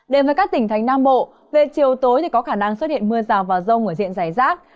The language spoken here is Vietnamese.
đến với các tỉnh thành nam bộ về chiều tối thì có khả năng xuất hiện mưa rào và rông ở diện giải rác